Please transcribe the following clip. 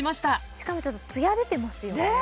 しかもちょっとツヤ出てますよね